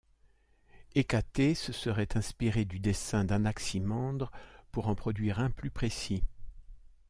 Hécatée se serait inspiré du dessin d'Anaximandre pour en produire un plus précis.